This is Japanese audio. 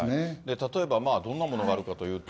例えばどんなものがあるかというと。